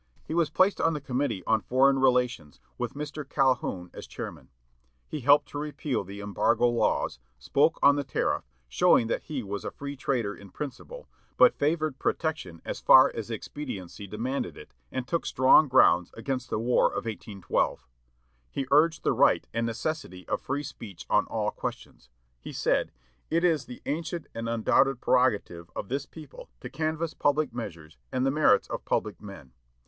He was placed on the committee on Foreign Relations, with Mr. Calhoun as chairman. He helped to repeal the Embargo Laws, spoke on the Tariff, showing that he was a Free Trader in principle, but favored Protection as far as expediency demanded it, and took strong grounds against the war of 1812. He urged the right and necessity of free speech on all questions. He said, "It is the ancient and undoubted prerogative of this people to canvas public measures and the merits of public men.